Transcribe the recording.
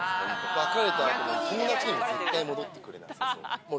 別れたあと、友達にも絶対戻ってくれなそう。